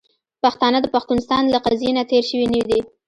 پښتانه د پښتونستان له قضیې نه تیر شوي نه دي .